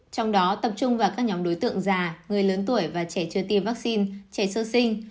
trong đó tập trung vào các nhóm đối tượng già người lớn tuổi và trẻ chưa tiêm vaccine trẻ sơ sinh